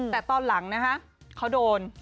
แต่ตอนหลังเขาโดน